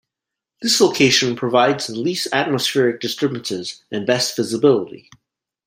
This location provides the least atmospheric disturbances and best visibility.